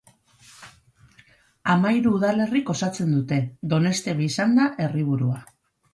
Hamahiru udalerrik osatzen dute, Doneztebe izanda herriburua.